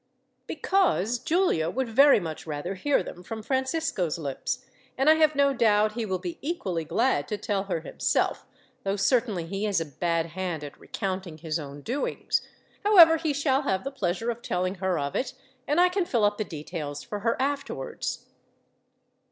"Because Giulia would very much rather hear them from Francisco's lips, and I have no doubt he will be equally glad to tell her himself, though certainly he is a bad hand at recounting his own doings. However, he shall have the pleasure of telling her of it, and I can fill up the details for her, afterwards."